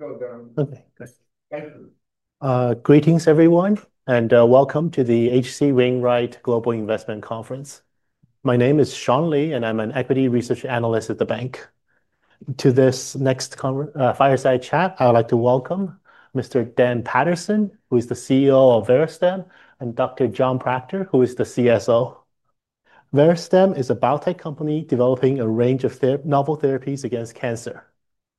Okay, great. Greetings, everyone, and welcome to the HC Wainwright Global Investment Conference. My name is Sean Lee, and I'm an Equity Research Analyst at the bank. To this next fireside chat, I would like to welcome Mr. Dan Paterson, who is the CEO of Verastem Oncology, and Dr. John Pachter, who is the CSO. Verastem Oncology is a biotech company developing a range of novel therapies against cancer.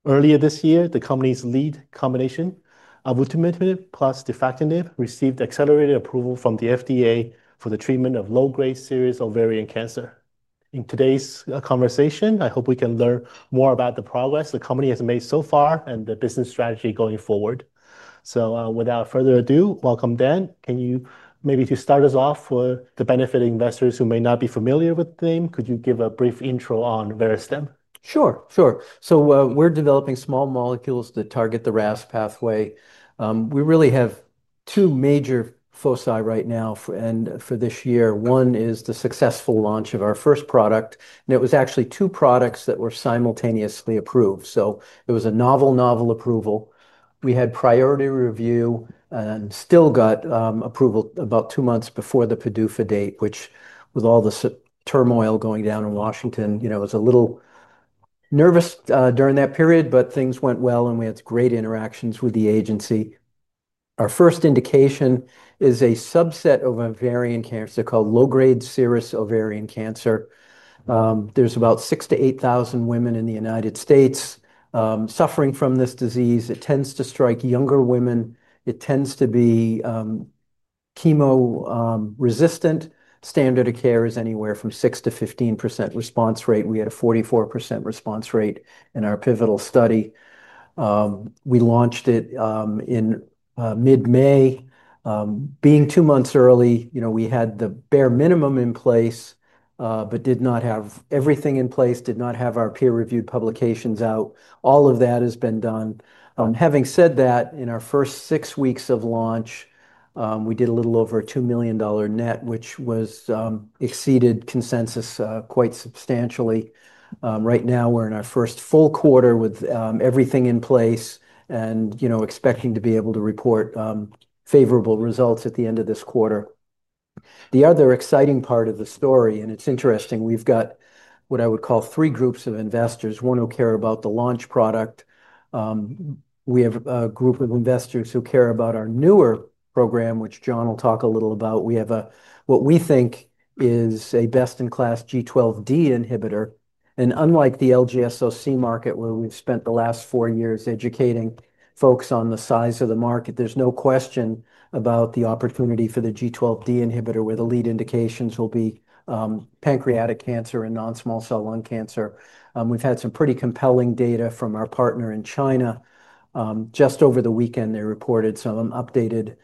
Earlier this year, the company's lead combination of avutometinib plus defactinib received accelerated FDA approval for the treatment of low-grade serous ovarian cancer. In today's conversation, I hope we can learn more about the progress the company has made so far and the business strategy going forward. Without further ado, welcome, Dan. Can you maybe start us off for the benefit of investors who may not be familiar with the name? Could you give a brief intro on Verastem Oncology? Sure, sure. We're developing small molecules that target the RAS pathway. We really have two major foci right now for this year. One is the successful launch of our first product, and it was actually two products that were simultaneously approved. It was a novel approval. We had priority review and still got approval about two months before the PDUFA date, which, with all the turmoil going down in Washington, you know, I was a little nervous during that period, but things went well and we had great interactions with the agency. Our first indication is a subset of ovarian cancer called low-grade serous ovarian cancer. There's about 6,000 to 8,000 women in the United States suffering from this disease. It tends to strike younger women. It tends to be chemo resistant. Standard of care is anywhere from 6% to 15% response rate. We had a 44% response rate in our pivotal study. We launched it in mid-May. Being two months early, you know, we had the bare minimum in place, but did not have everything in place, did not have our peer-reviewed publications out. All of that has been done. Having said that, in our first six weeks of launch, we did a little over $2 million net, which exceeded consensus quite substantially. Right now, we're in our first full quarter with everything in place and, you know, expecting to be able to report favorable results at the end of this quarter. The other exciting part of the story, and it's interesting, we've got what I would call three groups of investors, one who care about the launch product. We have a group of investors who care about our newer program, which John will talk a little about. We have what we think is a best-in-class G12D inhibitor. Unlike the LGSOC market, where we've spent the last four years educating folks on the size of the market, there's no question about the opportunity for the G12D inhibitor, where the lead indications will be pancreatic cancer and non-small cell lung cancer. We've had some pretty compelling data from our partner in China. Just over the weekend, they reported some updated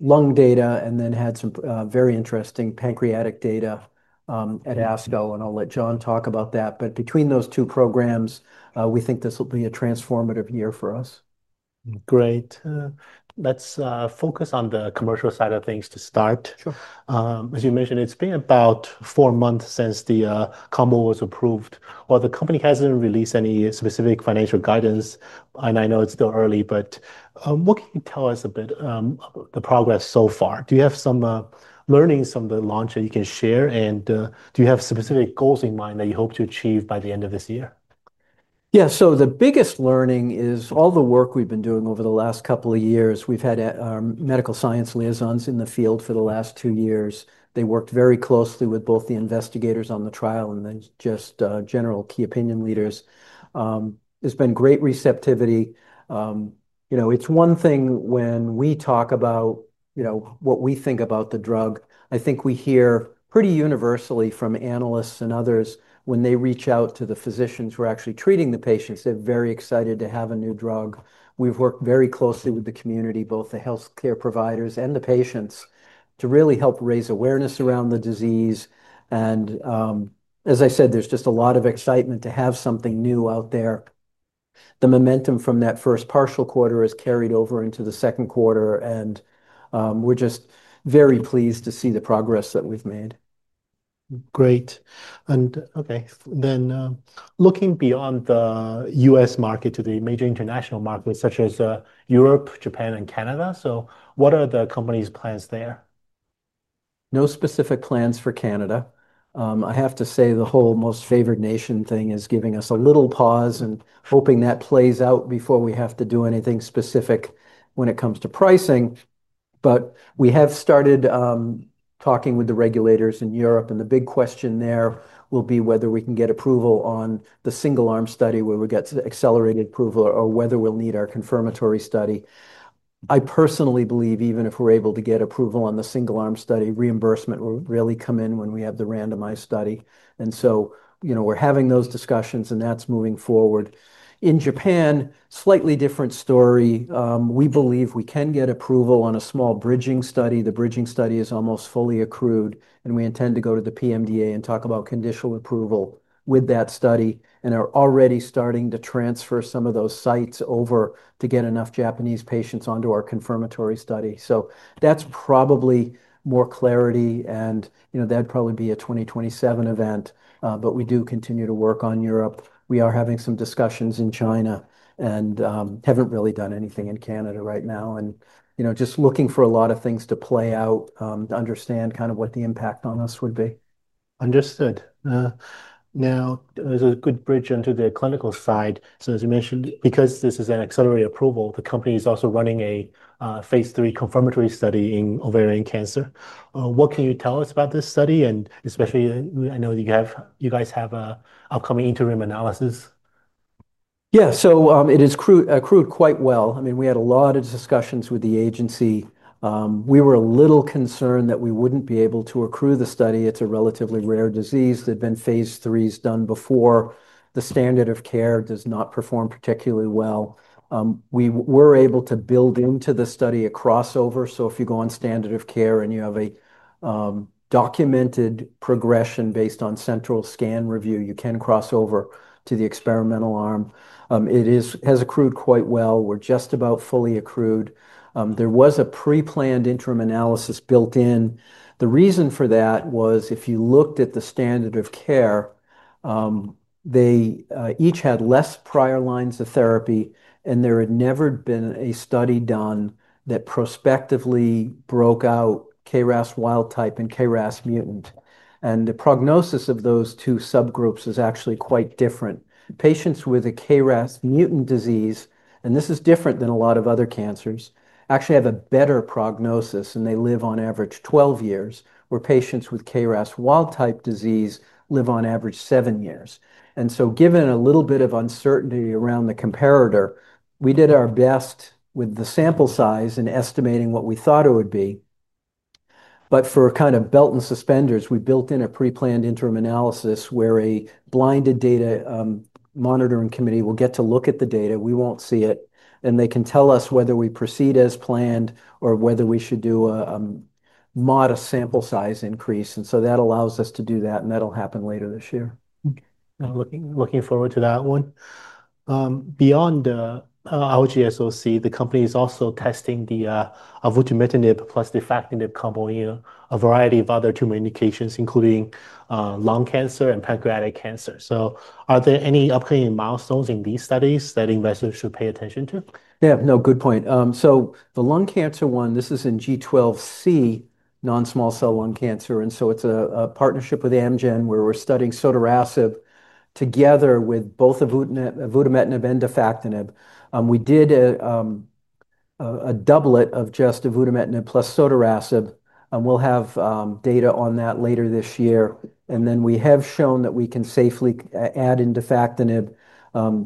lung data and then had some very interesting pancreatic data at ASCO, and I'll let John talk about that. Between those two programs, we think this will be a transformative year for us. Great. Let's focus on the commercial side of things to start. Sure. As you mentioned, it's been about four months since the combo was approved. The company hasn't released any specific financial guidance, and I know it's still early, but what can you tell us about the progress so far? Do you have some learnings from the launch that you can share, and do you have specific goals in mind that you hope to achieve by the end of this year? Yeah, the biggest learning is all the work we've been doing over the last couple of years. We've had our medical science liaisons in the field for the last two years. They worked very closely with both the investigators on the trial and general key opinion leaders. There's been great receptivity. It's one thing when we talk about what we think about the drug. I think we hear pretty universally from analysts and others when they reach out to the physicians who are actually treating the patients, they're very excited to have a new drug. We've worked very closely with the community, both the healthcare providers and the patients, to really help raise awareness around the disease. As I said, there's just a lot of excitement to have something new out there. The momentum from that first partial quarter has carried over into the second quarter, and we're just very pleased to see the progress that we've made. Great. Okay, then looking beyond the U.S. market to the major international markets such as Europe, Japan, and Canada, what are the company's plans there? No specific plans for Canada. I have to say the whole most favored nation thing is giving us a little pause and hoping that plays out before we have to do anything specific when it comes to pricing. We have started talking with the regulators in Europe, and the big question there will be whether we can get approval on the single-arm study where we get accelerated FDA approval or whether we'll need our confirmatory study. I personally believe even if we're able to get approval on the single-arm study, reimbursement will really come in when we have the randomized study. We're having those discussions and that's moving forward. In Japan, slightly different story. We believe we can get approval on a small bridging study. The bridging study is almost fully accrued, and we intend to go to the PMDA and talk about conditional approval with that study and are already starting to transfer some of those sites over to get enough Japanese patients onto our confirmatory study. That's probably more clarity, and that'd probably be a 2027 event, but we do continue to work on Europe. We are having some discussions in China and haven't really done anything in Canada right now, just looking for a lot of things to play out to understand kind of what the impact on us would be. Understood. Now, as a good bridge onto the clinical side, as you mentioned, because this is an accelerated FDA approval, the company is also running a confirmatory Phase 3 trial in ovarian cancer. What can you tell us about this study? Especially, I know you guys have an upcoming pre-planned interim analysis. Yeah, so it has accrued quite well. I mean, we had a lot of discussions with the agency. We were a little concerned that we wouldn't be able to accrue the study. It's a relatively rare disease. There have been Phase 3s done before. The standard of care does not perform particularly well. We were able to build into the study a crossover, so if you go on standard of care and you have a documented progression based on central scan review, you can cross over to the experimental arm. It has accrued quite well. We're just about fully accrued. There was a pre-planned interim analysis built in. The reason for that was if you looked at the standard of care, they each had less prior lines of therapy, and there had never been a study done that prospectively broke out KRAS wild type and KRAS mutant. The prognosis of those two subgroups is actually quite different. Patients with a KRAS mutant disease, and this is different than a lot of other cancers, actually have a better prognosis, and they live on average 12 years, where patients with KRAS wild type disease live on average seven years. Given a little bit of uncertainty around the comparator, we did our best with the sample size and estimating what we thought it would be. For kind of belt and suspenders, we built in a pre-planned interim analysis where a blinded data monitoring committee will get to look at the data. We won't see it, and they can tell us whether we proceed as planned or whether we should do a modest sample size increase. That allows us to do that, and that'll happen later this year. Looking forward to that one. Beyond the LGSOC, the company is also testing the avutometinib plus defactinib combo in a variety of other tumor indications, including lung cancer and pancreatic cancer. Are there any upcoming milestones in these studies that investors should pay attention to? Yeah, no, good point. The lung cancer one, this is in G12C non-small cell lung cancer, and it's a partnership with Amgen where we're studying sotorasib together with both avutometinib and defactinib. We did a doublet of just avutometinib plus sotorasib. We'll have data on that later this year. We have shown that we can safely add in defactinib.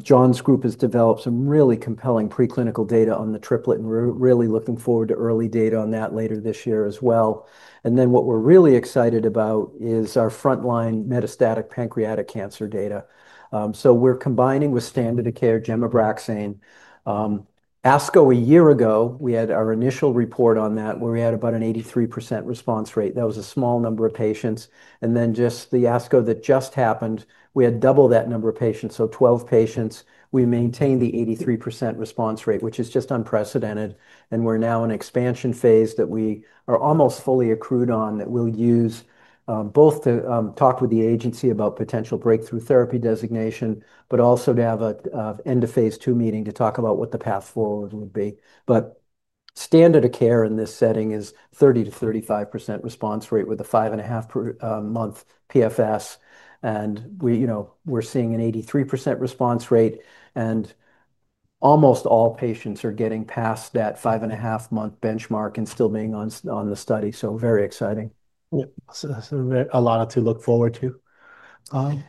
John's group has developed some really compelling preclinical data on the triplet, and we're really looking forward to early data on that later this year as well. What we're really excited about is our frontline metastatic pancreatic cancer data. We're combining with standard of care gemabraxane. At ASCO a year ago, we had our initial report on that where we had about an 83% response rate. That was a small number of patients. At the ASCO that just happened, we had double that number of patients, so 12 patients. We maintained the 83% response rate, which is just unprecedented. We're now in an expansion phase that we are almost fully accrued on that we'll use both to talk with the agency about potential breakthrough therapy designation, but also to have an end of phase two meeting to talk about what the path forward would be. Standard of care in this setting is 30% to 35% response rate with a five and a half month PFS. We're seeing an 83% response rate, and almost all patients are getting past that five and a half month benchmark and still being on the study, so very exciting. Yeah, a lot to look forward to.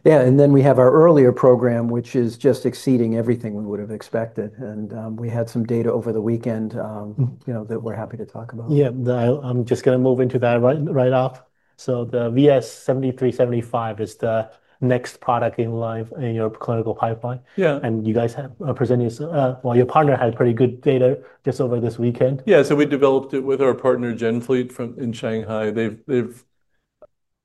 Yeah, we have our earlier program, which is just exceeding everything we would have expected. We had some data over the weekend that we're happy to talk about. Yeah, I'm just going to move into that right off. The VS-7375 is the next product in line in your clinical pipeline. Yeah. You guys have presented yourself, your partner had pretty good data just over this weekend. Yeah, so we developed it with our partner, GenFleet Therapeutics, in Shanghai. They've,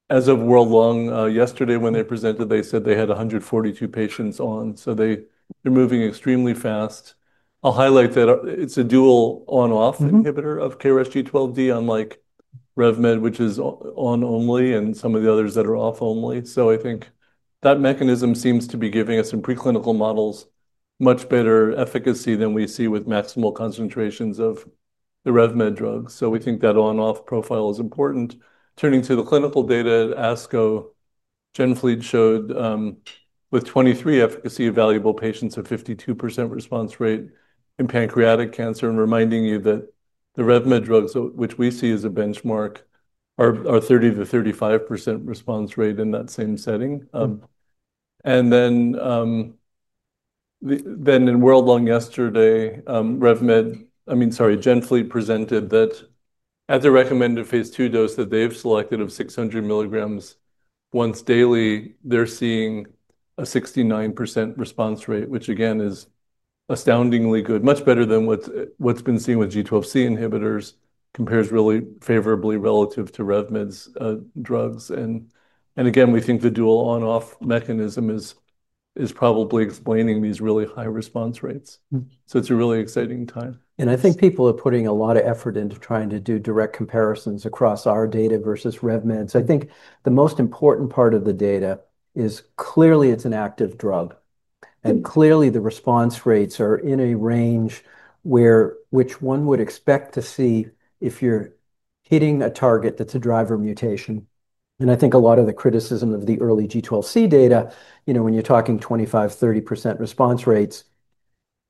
as of World Lung yesterday when they presented, they said they had 142 patients on, so they're moving extremely fast. I'll highlight that it's a dual on-off inhibitor of KRAS G12D, unlike Revolution Medicines, which is on only and some of the others that are off only. I think that mechanism seems to be giving us in preclinical models much better efficacy than we see with maximal concentrations of the Revolution Medicines drugs. We think that on-off profile is important. Turning to the clinical data, at ASCO, GenFleet Therapeutics showed with 23 efficacy evaluable patients a 52% response rate in pancreatic cancer. Reminding you that the Revolution Medicines drugs, which we see as a benchmark, are 30% to 35% response rate in that same setting. In World Lung yesterday, GenFleet Therapeutics presented that at the recommended Phase 2 dose that they've selected of 600 milligrams once daily, they're seeing a 69% response rate, which again is astoundingly good, much better than what's been seen with G12C inhibitors, compares really favorably relative to Revolution Medicines' drugs. We think the dual on-off mechanism is probably explaining these really high response rates. It's a really exciting time. People are putting a lot of effort into trying to do direct comparisons across our data versus Revolution Medicines. The most important part of the data is clearly it's an active drug. Clearly, the response rates are in a range where one would expect to see if you're hitting a target that's a driver mutation. A lot of the criticism of the early G12C data, when you're talking 25% to 30% response rates, is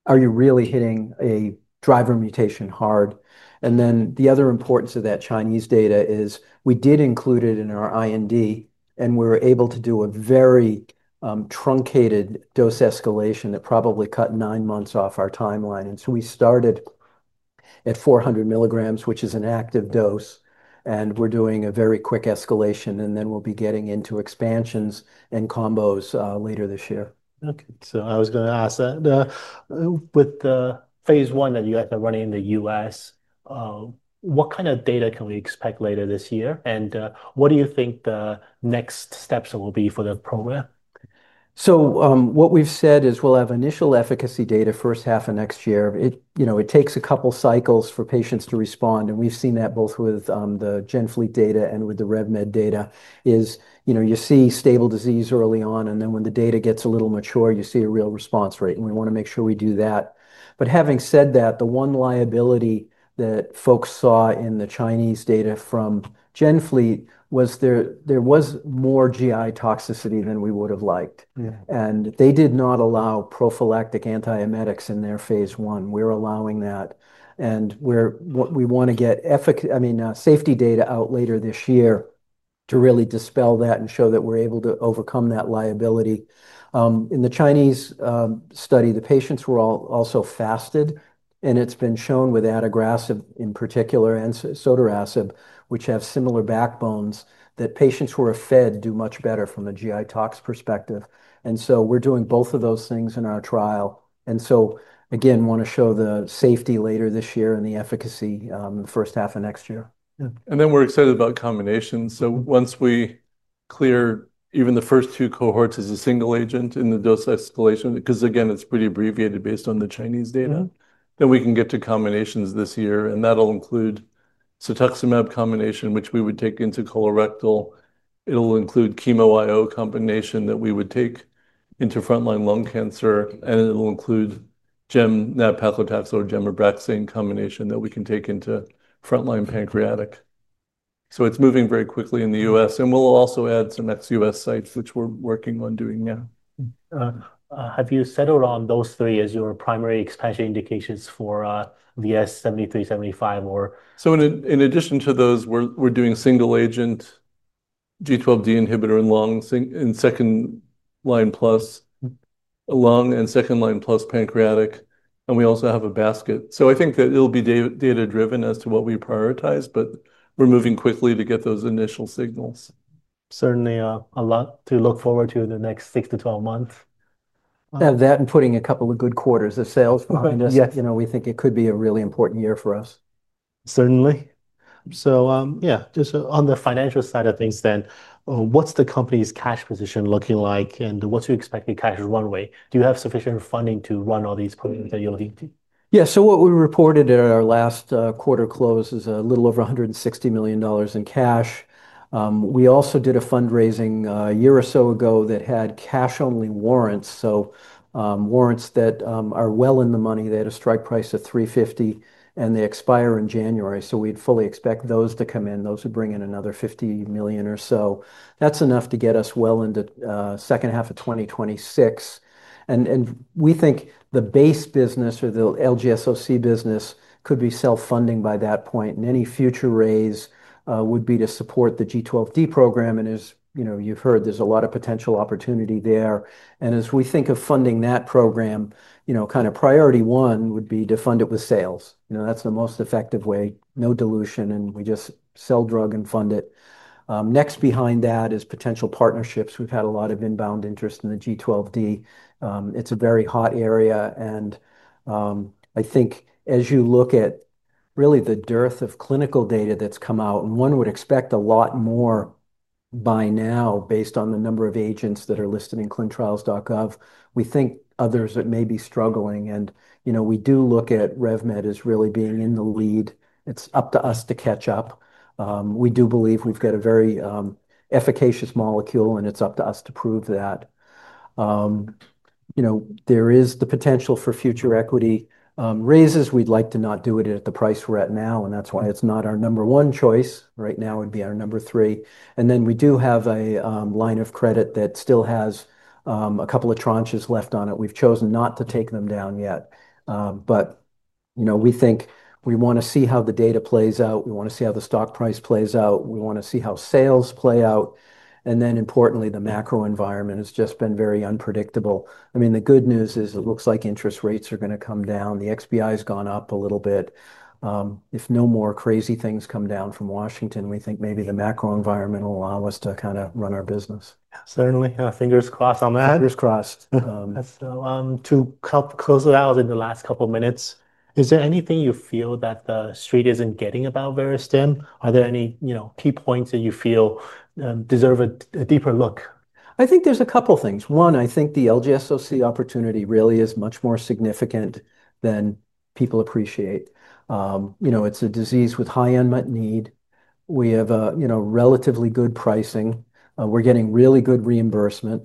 are you really hitting a driver mutation hard? The other importance of that Chinese data is we did include it in our IND, and we were able to do a very truncated dose escalation that probably cut nine months off our timeline. We started at 400 milligrams, which is an active dose, and we're doing a very quick escalation, and then we'll be getting into expansions and combination regimens later this year. I was going to ask that. With Phase 1 that you guys are running in the U.S., what kind of data can we expect later this year, and what do you think the next steps will be for the program? What we've said is we'll have initial efficacy data first half of next year. It takes a couple of cycles for patients to respond, and we've seen that both with the GenFleet Therapeutics data and with the Revolution Medicines data. You see stable disease early on, and then when the data gets a little mature, you see a real response rate, and we want to make sure we do that. Having said that, the one liability that folks saw in the Chinese data from GenFleet Therapeutics was there was more GI toxicity than we would have liked, and they did not allow prophylactic antiemetics in their phase one. We're allowing that, and we want to get safety data out later this year to really dispel that and show that we're able to overcome that liability. In the Chinese study, the patients were also fasted, and it's been shown with adagrasib in particular and sotorasib, which have similar backbones, that patients who are fed do much better from a GI tox perspective. We're doing both of those things in our trial. We want to show the safety later this year and the efficacy first half of next year. We're excited about combinations. Once we clear even the first two cohorts as a single agent in the dose escalation, because again, it's pretty abbreviated based on the Chinese data, we can get to combinations this year, and that'll include cetuximab combination, which we would take into colorectal. It'll include chemo IO combination that we would take into frontline lung cancer, and it'll include gem-nat-paclitaxel or gemabraxane combination that we can take into frontline pancreatic. It's moving very quickly in the U.S., and we'll also add some ex-U.S. sites, which we're working on doing now. Have you settled on those three as your primary expansion indications for VS-7375 or? In addition to those, we're doing single agent KRAS G12D inhibitor in second line plus lung and second line plus pancreatic, and we also have a basket. I think that it'll be data-driven as to what we prioritize, but we're moving quickly to get those initial signals. Certainly, a lot to look forward to in the next 6 to 12 months. Putting a couple of good quarters of sales behind us, you know, we think it could be a really important year for us. Certainly. Yeah, just on the financial side of things, what's the company's cash position looking like and what do you expect to be cash runway? Do you have sufficient funding to run all these programs that you're looking to? Yeah, so what we reported at our last quarter close is a little over $160 million in cash. We also did a fundraising a year or so ago that had cash-only warrants, so warrants that are well in the money. They had a strike price of $3.50, and they expire in January, so we'd fully expect those to come in. Those would bring in another $50 million or so. That's enough to get us well into the second half of 2026. We think the base business or the LGSOC business could be self-funding by that point, and any future raise would be to support the G12D program. As you've heard, there's a lot of potential opportunity there. As we think of funding that program, priority one would be to fund it with sales. That's the most effective way, no dilution, and we just sell drug and fund it. Next behind that is potential partnerships. We've had a lot of inbound interest in the G12D. It's a very hot area, and I think as you look at really the dearth of clinical data that's come out, and one would expect a lot more by now based on the number of agents that are listed in clinTrials.gov. We think others may be struggling, and we do look at Revolution Medicines as really being in the lead. It's up to us to catch up. We do believe we've got a very efficacious molecule, and it's up to us to prove that. There is the potential for future equity raises. We'd like to not do it at the price we're at now, and that's why it's not our number one choice. Right now, it'd be our number three. We do have a line of credit that still has a couple of tranches left on it. We've chosen not to take them down yet. We think we want to see how the data plays out. We want to see how the stock price plays out. We want to see how sales play out. Importantly, the macro environment has just been very unpredictable. The good news is it looks like interest rates are going to come down. The XBI has gone up a little bit. If no more crazy things come down from Washington, we think maybe the macro environment will allow us to kind of run our business. Certainly. Fingers crossed on that. Fingers crossed. To close it out in the last couple of minutes, is there anything you feel that the street isn't getting about Verastem? Are there any key points that you feel deserve a deeper look? I think there's a couple of things. One, I think the LGSOC opportunity really is much more significant than people appreciate. You know, it's a disease with high unmet need. We have a, you know, relatively good pricing. We're getting really good reimbursement.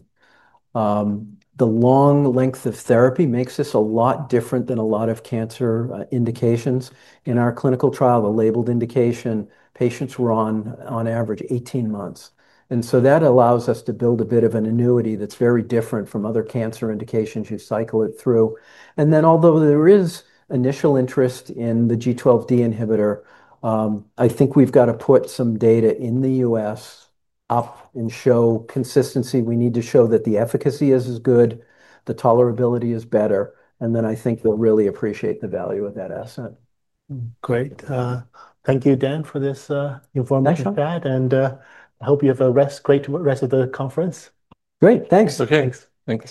The long length of therapy makes us a lot different than a lot of cancer indications. In our clinical trial, a labeled indication, patients were on on average 18 months. That allows us to build a bit of an annuity that's very different from other cancer indications you cycle it through. Although there is initial interest in the G12D inhibitor, I think we've got to put some data in the U.S. up and show consistency. We need to show that the efficacy is as good, the tolerability is better, and then I think they'll really appreciate the value of that asset. Great. Thank you, Dan, for this information chat, and I hope you have a great rest of the conference. Great, thanks. Thanks.